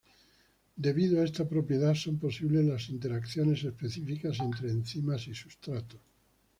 Debido a esta propiedad son posibles las interacciones específicas entre enzimas y sustratos.